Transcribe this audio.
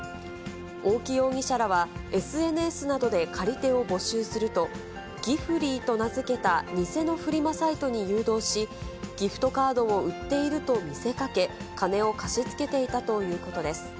大木容疑者らは、ＳＮＳなどで借り手を募集すると、ギフリーと名付けた偽のフリマサイトに誘導し、ギフトカードを売っていると見せかけ、金を貸しつけていたということです。